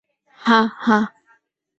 হা, হা।